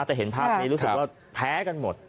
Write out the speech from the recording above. พุทธศัพท์เราแพ้กันหมด